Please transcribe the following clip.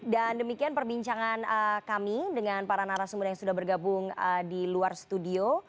dan demikian perbincangan kami dengan para narasumber yang sudah bergabung di luar studio